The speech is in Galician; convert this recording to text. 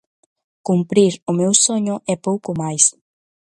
Cumprir o meu soño e pouco máis.